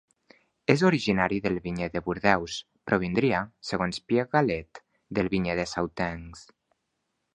És originari del vinyer de Bordeus; provindria, segons Pierre Galet, del vinyer de Sauternes.